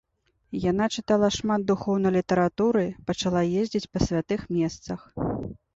Яна чытала шмат духоўнай літаратуры, пачала ездзіць па святых месцах.